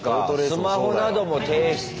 スマホなども提出。